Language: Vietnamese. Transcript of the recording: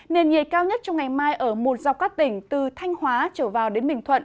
nền nhiệt cao nhất trong ngày mai ở một dọc các tỉnh từ thanh hóa trở vào đến bình thuận